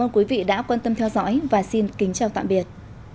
ơn quý vị đã quan tâm theo dõi và xin kính chào tạm biệt